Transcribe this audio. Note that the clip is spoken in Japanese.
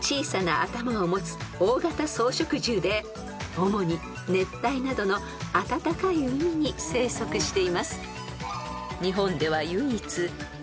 ［主に熱帯などの暖かい海に生息しています］